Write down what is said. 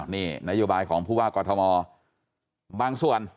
นี่นโยบายของภูวากรธมหมอบางส่วน